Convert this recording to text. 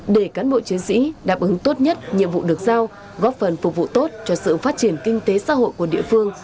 để cán bộ chiến sĩ đáp ứng tốt nhất nhiệm vụ được giao góp phần phục vụ tốt cho sự phát triển kinh tế xã hội của địa phương